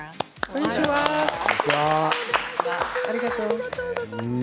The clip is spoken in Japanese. ありがとうございます。